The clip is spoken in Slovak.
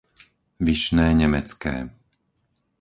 Vyšné Nemecké